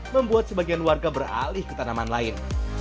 membuat sebagian warga beralih ke tanaman lain